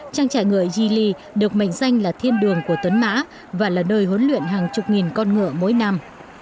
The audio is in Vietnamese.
trang trại ngựa yili được mệnh danh là thiên đường của tuấn mã và là nơi huấn luyện hàng chục nghìn con ngựa mỗi năm